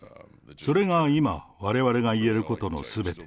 それが今、われわれが言えることのすべて。